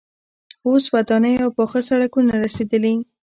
اوس ودانۍ او پاخه سړکونه رسیدلي.